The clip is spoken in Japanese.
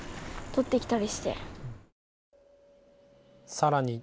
さらに。